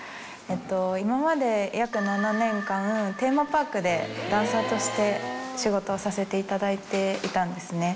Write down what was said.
今まで約７年間テーマパークでダンサーとして仕事をさせていただいていたんですね。